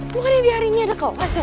bukan ini hari ini ada kau kasih